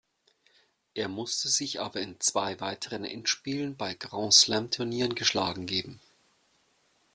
Er musste sich aber in zwei weiteren Endspielen bei Grand-Slam-Turnieren geschlagen geben.